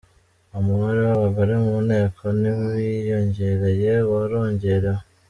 Umubare w’abagore mu Nteko ntiwiyongereye, warongerewe.